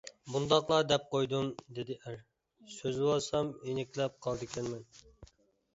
-مۇنداقلا دەپ قويدۇم، -دېدى ئەر، -سۆزلىۋالسام يېنىكلەپ قالىدىكەنمەن.